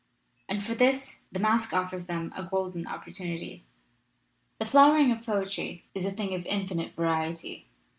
And for this the masque offers them a golden oppor tunity. "The flowering of poetry is a thing of infinite variety.